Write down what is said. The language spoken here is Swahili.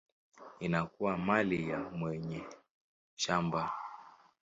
inakuwa mali ya mwenye shamba.